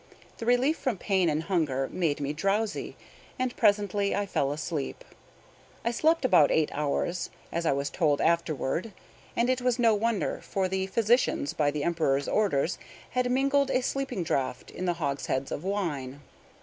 The relief from pain and hunger made me drowsy, and presently I fell asleep. I slept about eight hours, as I was told afterward; and it was no wonder, for the physicians, by the Emperor's orders, had mingled a sleeping draught in the hogsheads of wine.